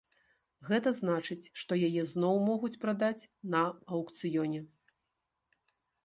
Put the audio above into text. Гэта значыць, што яе зноў могуць прадаць на аўкцыёне.